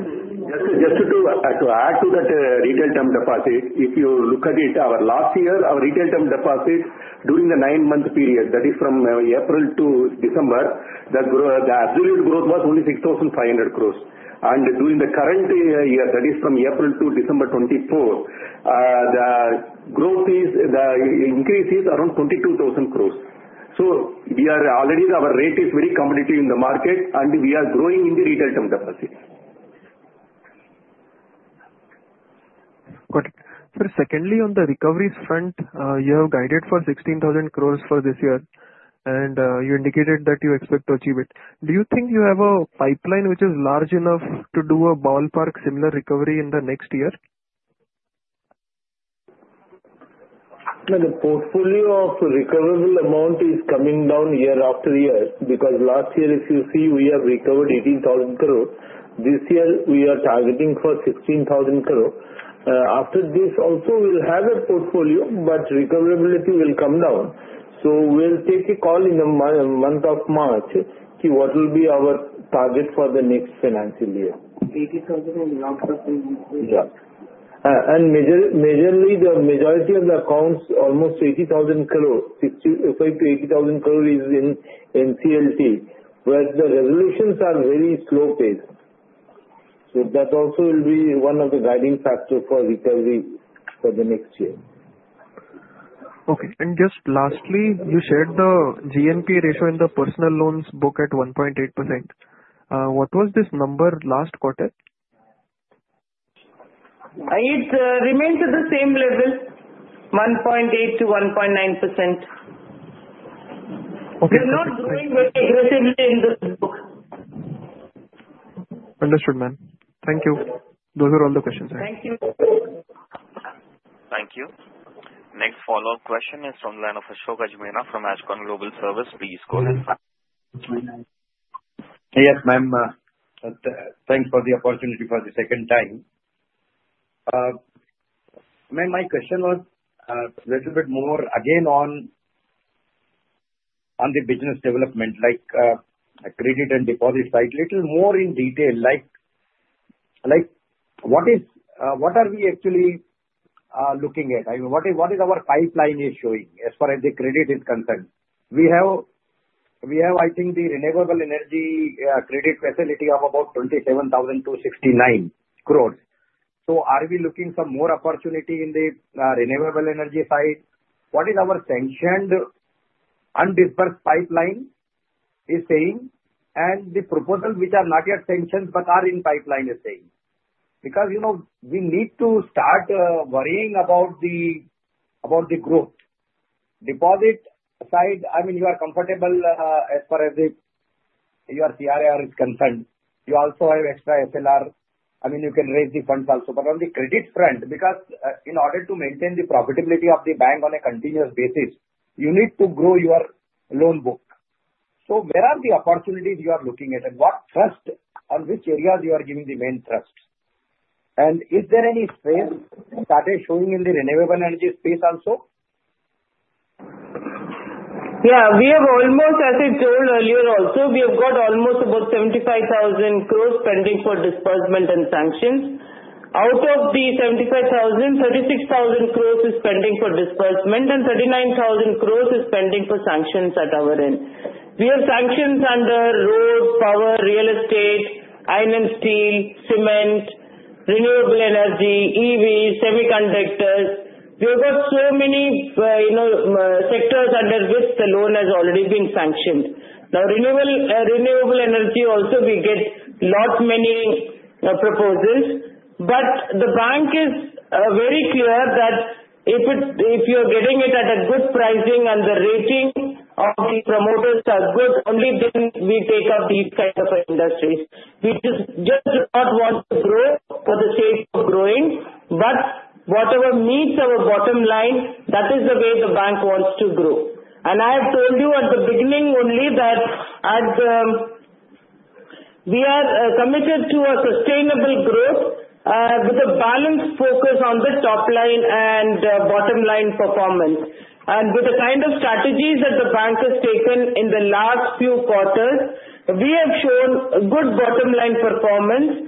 Yes, sir. Just to add to that retail term deposit, if you look at it, last year, our retail term deposit during the nine-month period, that is from April to December, the absolute growth was only 6,500 crores, and during the current year, that is from April to December 2024, the growth increase is around 22,000 crores, so already, our rate is very competitive in the market, and we are growing in the retail term deposit. Got it. Sir, secondly, on the recoveries front, you have guided for 16,000 crores for this year, and you indicated that you expect to achieve it. Do you think you have a pipeline which is large enough to do a ballpark similar recovery in the next year? The portfolio of recoverable amount is coming down year after year because last year, if you see, we have recovered 18,000 crores. This year, we are targeting for 16,000 crores. After this, also, we'll have a portfolio, but recoverability will come down. So we'll take a call in the month of March to what will be our target for the next financial year. 80,000 in the last month. Yeah. The majority of the accounts, almost 80,000 crores—65,000-INR 80,000 crores—is in NCLT, where the resolutions are very slow pace. That also will be one of the guiding factors for recovery for the next year. Okay. And just lastly, you shared the GNPA ratio in the personal loans book at 1.8%. What was this number last quarter? It remained at the same level, 1.8%-1.9%. We are not growing very aggressively in the book. Understood, ma'am. Thank you. Those are all the questions. Thank you. Thank you. Next follow-up question is from the line of Ashok Ajmera from Ajcon Global Services. Please go ahead. Yes, ma'am. Thanks for the opportunity for the second time. Ma'am, my question was a little bit more again on the business development, like credit and deposit side, a little more in detail. What are we actually looking at? What is our pipeline showing as far as the credit is concerned? We have, I think, the renewable energy credit facility of about 27,269 crores. So are we looking for more opportunity in the renewable energy side? What is our sanctioned undisbursed pipeline is saying, and the proposals which are not yet sanctioned but are in pipeline is saying? Because we need to start worrying about the growth. Deposit side, I mean, you are comfortable as far as your CRR is concerned. You also have extra SLR. I mean, you can raise the funds also. But on the credit front, because in order to maintain the profitability of the bank on a continuous basis, you need to grow your loan book. So where are the opportunities you are looking at, and what thrust, on which areas you are giving the main thrust? And is there any space started showing in the renewable energy space also? Yeah. We have almost, as I told earlier, also, we have got almost about 75,000 crores pending for disbursement and sanctions. Out of the 75,000, 36,000 crores is pending for disbursement, and 39,000 crores is pending for sanctions at our end. We have sanctions under road, power, real estate, iron and steel, cement, renewable energy, EV, semiconductors. We have got so many sectors under which the loan has already been sanctioned. Now, renewable energy, also, we get a lot many proposals, but the bank is very clear that if you are getting it at a good pricing and the rating of the promoters are good, only then we take up these kinds of industries. We just do not want to grow for the sake of growing, but whatever meets our bottom line, that is the way the bank wants to grow. I have told you at the beginning only that we are committed to a sustainable growth with a balanced focus on the top line and bottom line performance. With the kind of strategies that the bank has taken in the last few quarters, we have shown good bottom line performance,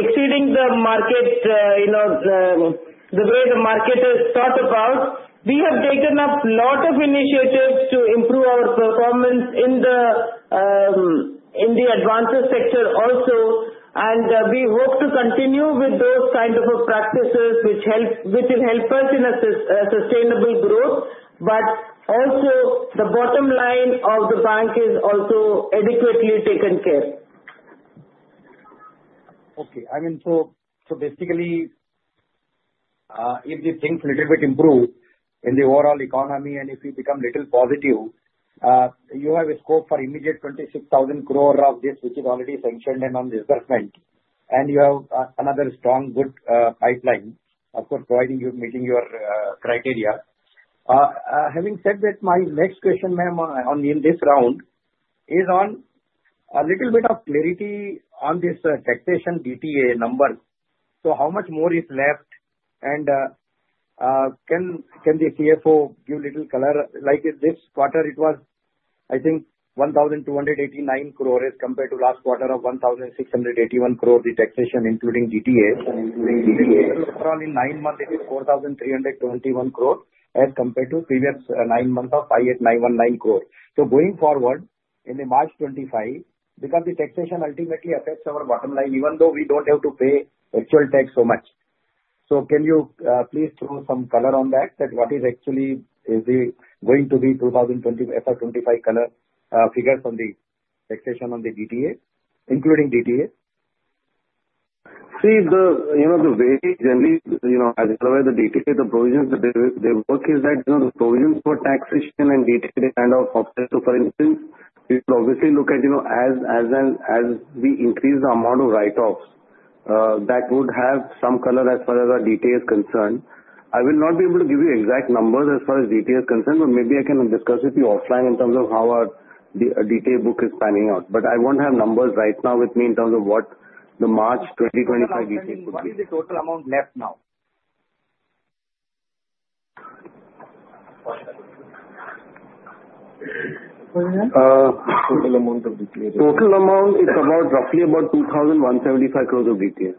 exceeding the market, the way the market is thought about. We have taken up a lot of initiatives to improve our performance in the advances sector also, and we hope to continue with those kinds of practices which will help us in a sustainable growth, but also the bottom line of the bank is also adequately taken care. Okay. I mean, so basically, if the things a little bit improve in the overall economy and if you become a little positive, you have a scope for immediate 26,000 crores of this which is already sanctioned and on disbursement, and you have another strong good pipeline, of course, providing you meeting your criteria. Having said that, my next question, ma'am, in this round is on a little bit of clarity on this taxation DTA number. So how much more is left, and can the CFO give a little color? Like this quarter, it was, I think, 1,289 crores compared to last quarter of 1,681 crores, the taxation, including DTA, and including DTA. Overall, in nine months, it is 4,321 crores as compared to previous nine months of 5,891 crores. So going forward, in March 2025, because the taxation ultimately affects our bottom line, even though we don't have to pay actual tax so much. So can you please throw some color on that? What is actually going to be 2025 color figures on the taxation on the DTA, including DTA? See, the way generally, as well as the DTA, the provisions, the work is that the provisions for taxation and DTA kind of offset. So for instance, you could obviously look at as we increase the amount of write-offs, that would have some color as far as our DTA is concerned. I will not be able to give you exact numbers as far as DTA is concerned, but maybe I can discuss with you offline in terms of how our DTA book is panning out. But I won't have numbers right now with me in terms of what the March 2025 DTA would be. What is the total amount left now? Total amount of DTA? Total amount is roughly about 2,175 crores of DTA.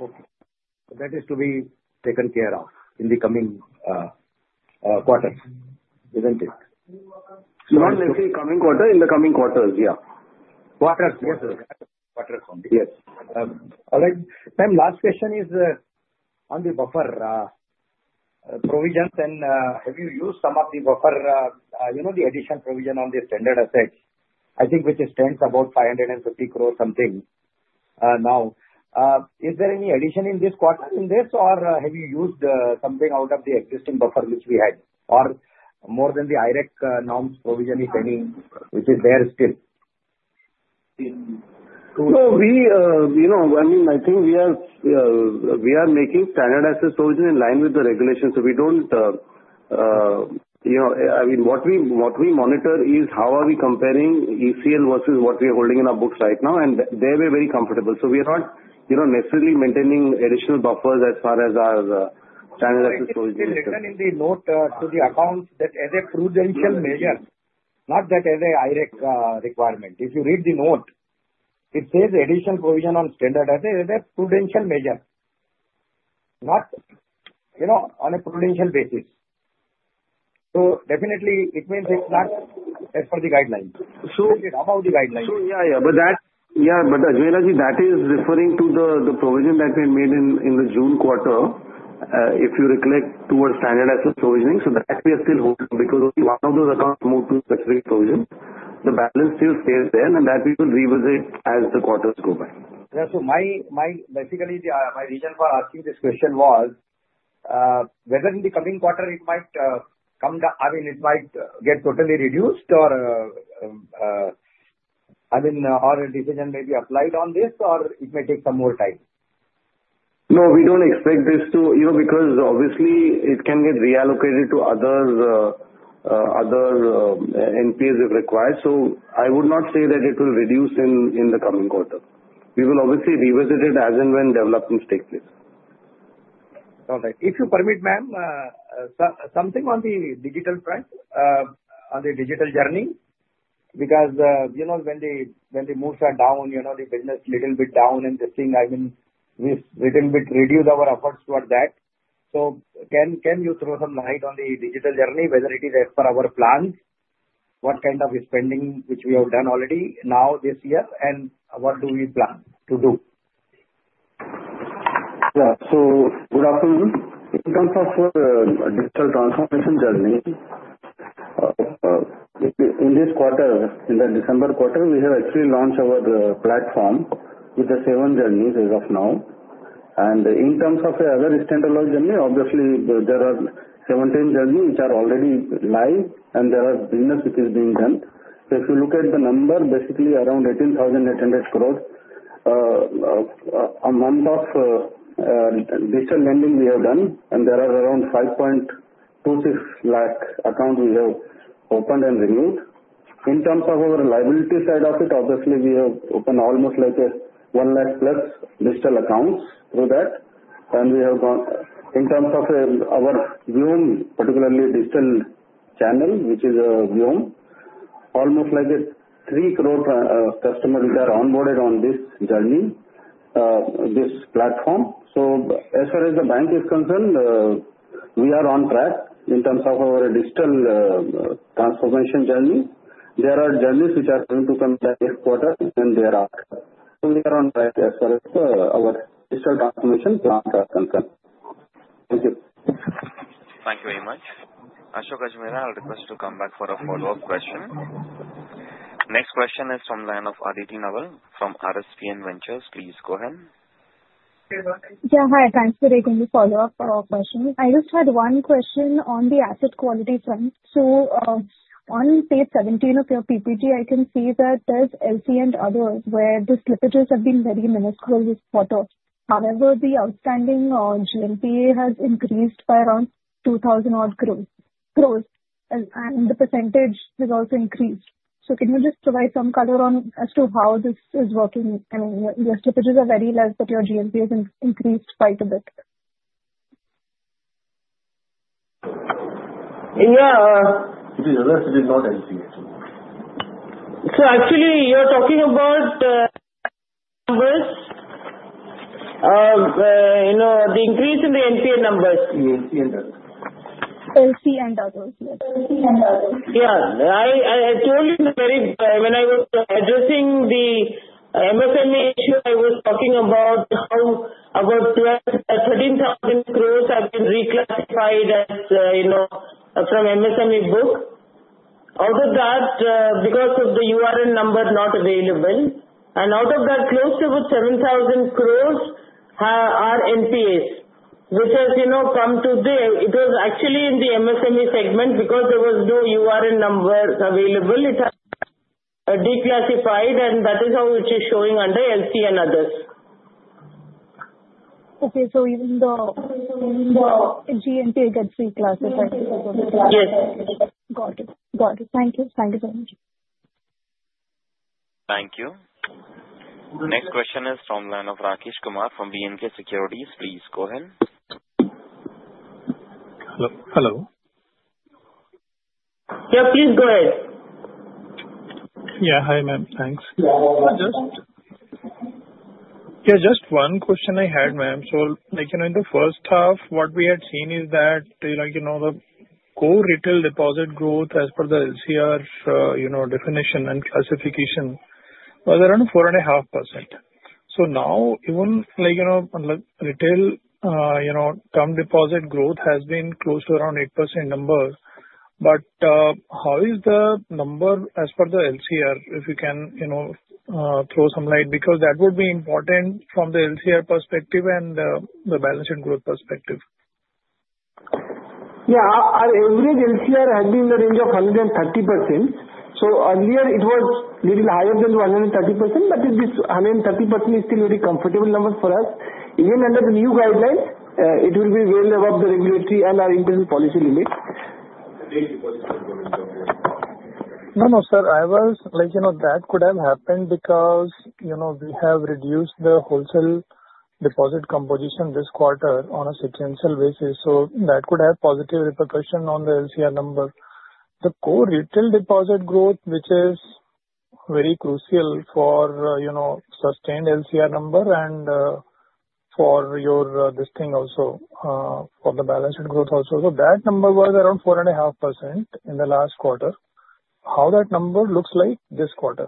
Okay. That is to be taken care of in the coming quarters, isn't it? Not necessarily coming quarter. In the coming quarters, yeah. Quarters, yes. Quarters, only. Yes. All right. Ma'am, last question is on the buffer provisions, and have you used some of the buffer, the additional provision on the standard assets, I think which stands about 550 crores or something now? Is there any addition in this quarter in this, or have you used something out of the existing buffer which we had, or more than the IRAC norms provision is any, which is there still? So I mean, I think we are making standard asset provision in line with the regulations. So we don't, I mean, what we monitor is how are we comparing ECL versus what we are holding in our books right now, and they are very comfortable. So we are not necessarily maintaining additional buffers as far as our standard asset provision is concerned. If you look at the note to the accounts, that is a prudential measure, not that it is an IRAC requirement. If you read the note, it says additional provision on standard assets, that is a prudential measure, not on a prudential basis. So definitely, it means it's not as per the guidelines. How about the guidelines? So yeah, yeah. But Ajmera ji, that is referring to the provision that we had made in the June quarter, if you recollect, towards standard asset provisioning. So that we are still holding because only one of those accounts moved to specific provision. The balance still stays there, and that we will revisit as the quarters go by. Yeah. So basically, my reason for asking this question was whether in the coming quarter, it might come down, I mean, it might get totally reduced, or I mean, or a decision may be applied on this, or it may take some more time. No, we don't expect this to because obviously, it can get reallocated to other NPAs if required. So I would not say that it will reduce in the coming quarter. We will obviously revisit it as and when developments take place. All right. If you permit, ma'am, something on the digital front, on the digital journey, because when the moves are down, the business is a little bit down, and this thing, I mean, we've a little bit reduced our efforts towards that. So can you throw some light on the digital journey, whether it is as per our plans, what kind of spending which we have done already now this year, and what do we plan to do? Yeah. So good afternoon. In terms of the digital transformation journey, in this quarter, in the December quarter, we have actually launched our platform with the seven journeys as of now. And in terms of the other standalone journey, obviously, there are 17 journeys which are already live, and there are business which is being done. So if you look at the number, basically around 18,800 crores amount of digital lending we have done, and there are around 5.26 lakh accounts we have opened and renewed. In terms of our liability side of it, obviously, we have opened almost like 1 lakh plus digital accounts through that. And we have gone in terms of our Vyom, particularly digital channel, which is a Vyom, almost like 3 crore customers that are onboarded on this journey, this platform. So as far as the bank is concerned, we are on track in terms of our digital transformation journey. There are journeys which are going to come next quarter, and they are out. So we are on track as far as our digital transformation plans are concerned. Thank you. Thank you very much. Ashok Ajmera, I'll request to come back for a follow-up question. Next question is from the line of Aditi Naval from RSPN Ventures. Please go ahead. Yeah. Hi. Thanks for taking the follow-up question. I just had one question on the asset quality front. So on page 17 of your PPT, I can see that there's LC and others where the slippages have been very minuscule this quarter. However, the outstanding GNPA has increased by around 2,000 odd crores, and the percentage has also increased. So can you just provide some color as to how this is working? I mean, your slippages are very less, but your GNPA has increased quite a bit. Yeah. It is not LC, actually. So actually, you're talking about numbers, the increase in the NPA numbers. The LC and others. LC and others, yes. LC and others. Yeah. I told you when I was addressing the MSME issue, I was talking about how about 13,000 crores have been reclassified from MSME book. Out of that, because of the URN number not available, and out of that, close to about 7,000 crores are NPAs, which has come to the it was actually in the MSME segment because there was no URN number available. It has declassified, and that is how it is showing under LC and others. Okay, so even the GNPA gets reclassified. Yes. Got it. Got it. Thank you. Thank you very much. Thank you. Next question is from the line of Rakesh Kumar from B&K Securities. Please go ahead. Hello. Hello. Yeah. Please go ahead. Yeah. Hi, ma'am. Thanks. Yeah. Just one question I had, ma'am. So in the first half, what we had seen is that the core retail deposit growth as per the LCR definition and classification was around 4.5%. So now, even retail term deposit growth has been close to around 8% numbers. But how is the number as per the LCR, if you can throw some light? Because that would be important from the LCR perspective and the balance sheet growth perspective. Yeah. Our average LCR has been in the range of 130%. So earlier, it was a little higher than 130%, but this 130% is still a very comfortable number for us. Even under the new guidelines, it will be well above the regulatory and our implicit policy limit. No, no, sir. That could have happened because we have reduced the wholesale deposit composition this quarter on a sequential basis. So that could have positive repercussion on the LCR number. The core retail deposit growth, which is very crucial for sustained LCR number and for this thing also, for the balance sheet growth also. So that number was around 4.5% in the last quarter. How that number looks like this quarter?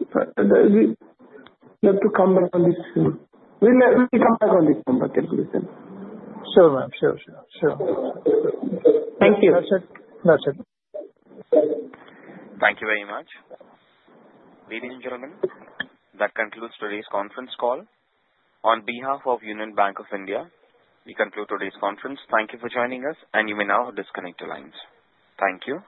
You have to come back on this soon. Let me come back on this number calculation. Sure, ma'am. Sure, sure. Sure. Thank you. That's it. That's it. Thank you very much. Ladies and gentlemen, that concludes today's conference call. On behalf of Union Bank of India, we conclude today's conference. Thank you for joining us, and you may now disconnect your lines. Thank you.